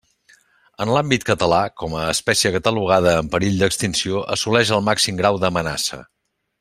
En l'àmbit català, com a espècie catalogada en perill d'extinció, assoleix el màxim grau d'amenaça.